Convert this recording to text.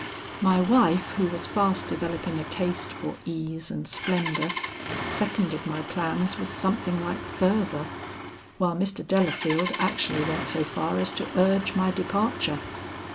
My wife, who was fast developing a taste for ease and splendor, seconded my plans with something like fervor, while Mr. Delafield actually went so far as to urge my departure.